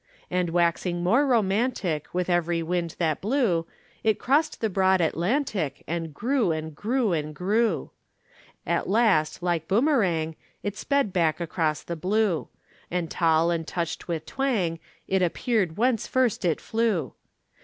And waxing more romantic With every wind that blew, It crossed the broad Atlantic And grew and grew and grew. At last, like boomerang, it Sped back across the blue, And tall and touched with twang, it Appeared whence first it flew.